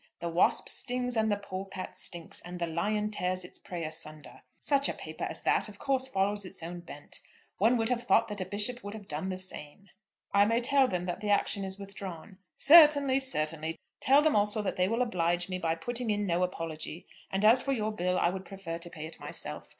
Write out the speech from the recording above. The wasp stings, and the polecat stinks, and the lion tears its prey asunder. Such a paper as that of course follows its own bent. One would have thought that a bishop would have done the same." "I may tell them that the action is withdrawn." "Certainly; certainly. Tell them also that they will oblige me by putting in no apology. And as for your bill, I would prefer to pay it myself.